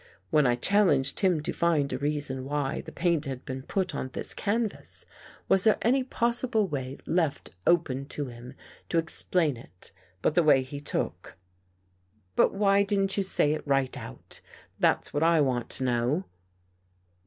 When I challenged him to find a reason why the paint had been put on this canvas, was there any possible way left open to him to explain it, but the way he took? "" But why didn't you say it right out? That's what I want to know."